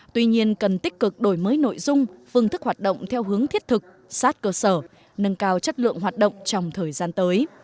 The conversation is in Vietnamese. tuy nhiên cần tích cực đổi mới nội dung phương thức hoạt động theo hướng thiết thực sát cơ sở nâng cao chất lượng hoạt động trong thời gian tới